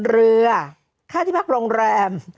เรือค่าที่พักโรงแรม